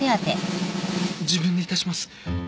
自分でいたします。